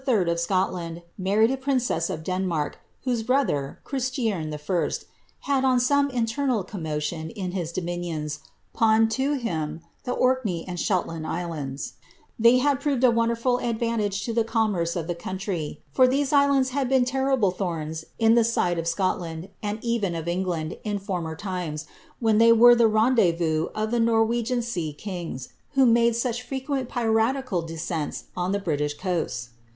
of Scotland, married a princess of Denmark, whose brother, Chrititiern I., had, on some inter nal commotion in his dominions, pawned to him the Orkney and Shet land isles, they had proved a wonderful advantage to the commerce of the country, for these islands had been terrible thorns in the side of Scotland, and even of England, in former times, when they were the rendezvous of the Norwegian sea kings, who made such frequent pirati cal descents on the British coasts.